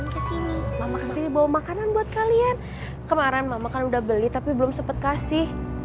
ke sini bawa makanan buat kalian kemarin makan udah beli tapi belum sempet kasih